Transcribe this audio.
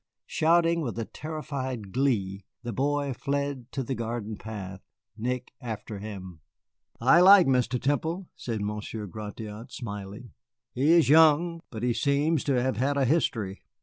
Shouting with a terrified glee, the boy fled to the garden path, Nick after him. "I like Mr. Temple," said Monsieur Gratiot, smiling. "He is young, but he seems to have had a history."